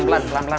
pelan pelan pelan